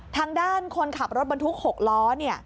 ทางด้านคนขับรถบรรทุก๖ล้อเนี่ย